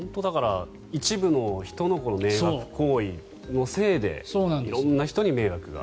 一部の人の迷惑行為のせいで色んな人に迷惑が。